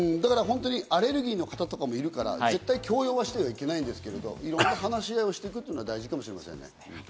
アレルギーの方もいるから、絶対に強要はしてはいけないけど、話し合いをしておくことは大事かもしれませんね。